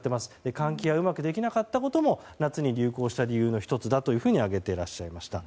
換気がうまくできなかったことも夏に流行した理由の１つと挙げていらっしゃいました。